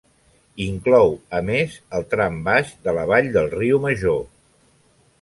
Inclou, a més, el tram baix de la vall del Riu Major.